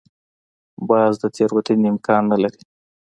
باز د تېروتنې امکان نه لري